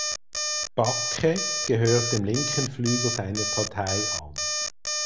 Bakke gehört dem linken Flügel seiner Partei an.